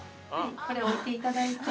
◆これ、置いていただいて。